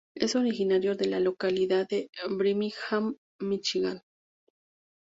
Es originario de la localidad de Birmingham, Míchigan.